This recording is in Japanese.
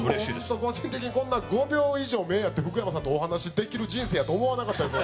あと個人的にこんな５秒以上目合って福山さんとお話しできる人生やと思わなかったです